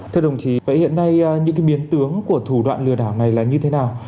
thưa đồng chí hiện nay những biến tướng của thủ đoạn lừa đảo này là như thế nào